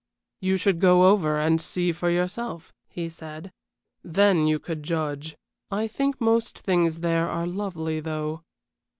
"You should go over and see for yourself," he said, "then you could judge. I think most things there are lovely, though."